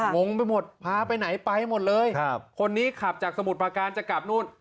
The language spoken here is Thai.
งงไปหมดพาไปไหนไปหมดเลยครับคนนี้ขับจากสมุทรประการจะกลับนู่น